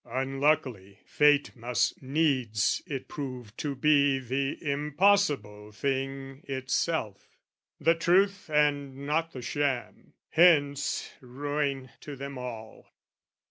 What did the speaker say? Unluckily fate must needs It proved to be the impossible thing itself; The truth and not the sham: hence ruin to them all.